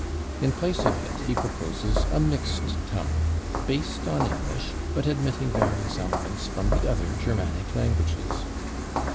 In place of it he proposes a mixed tongue, based on English, but admitting various elements from the other Germanic languages.